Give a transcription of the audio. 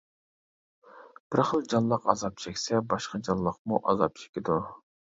بىر خىل جانلىق ئازاب چەكسە، باشقا جانلىقمۇ ئازاب چېكىدۇ.